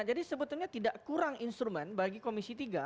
jadi sebetulnya tidak kurang instrumen bagi komisi tiga